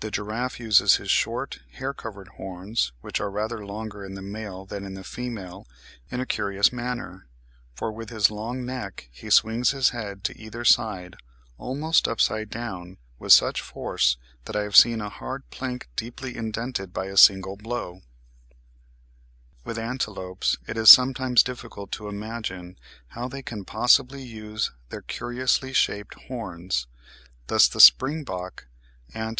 The giraffe uses his short, hair covered horns, which are rather longer in the male than in the female, in a curious manner; for, with his long neck, he swings his head to either side, almost upside down, with such force that I have seen a hard plank deeply indented by a single blow. [Fig. 63. Oryx leucoryx, male (from the Knowsley Menagerie).] With antelopes it is sometimes difficult to imagine how they can possibly use their curiously shaped horns; thus the springboc (Ant.